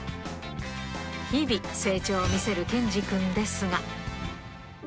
日々、成長を見せる剣侍くんですが。